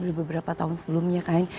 beberapa tahun sebelumnya kan